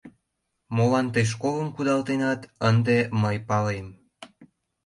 Молан тый школым кудалтенат, ынде мый палем.